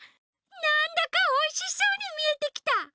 なんだかおいしそうにみえてきた！